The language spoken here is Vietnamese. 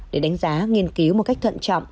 để đánh giá nghiên cứu một cách thận trọng